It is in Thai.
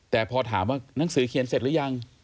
แต่พอถามว่าหนังสือเขียนเสร็จหรือยัง